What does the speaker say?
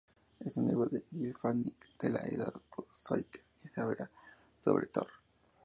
En el libro "Gylfaginning" de la "Edda prosaica" se habla sobre Thor.